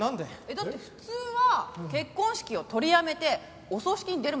だって普通は結婚式を取りやめてお葬式に出るものでしょ？